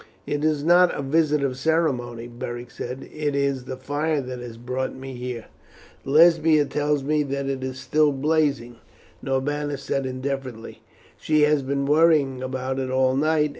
"It is not a visit of ceremony," Beric said; "it is the fire that has brought me here." "Lesbia tells me that it is still blazing," Norbanus said indifferently. "She has been worrying about it all night.